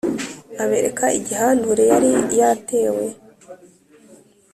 Abereka igihandure yari yatewe